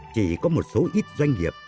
chỉ có một số ít doanh nghiệp